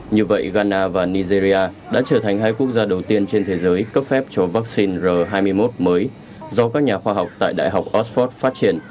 như vậy ghana và nigeria đã trở thành hai quốc gia đầu tiên trên thế giới cấp phép cho vaccine r hai mươi một mới do các nhà khoa học tại đại học oxford phát triển